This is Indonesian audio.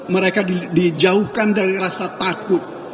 mereka dijauhkan dari rasa takut